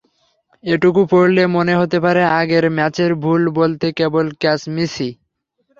এটুকু পড়লে মনে হতে পারে, আগের ম্যাচের ভুল বলতে কেবল ক্যাচ মিসই।